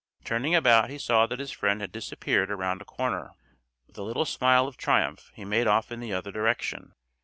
Turning about he saw that his friend had disappeared around a corner. With a little smile of triumph he made off in the other direction.